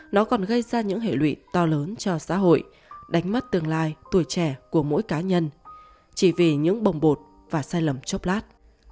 nó còn gây ra những hệ lụy to lớn cho xã hội đánh mất tương lai tuổi trẻ của mỗi cá nhân chỉ vì những bồng bột và sai lầm chốc lát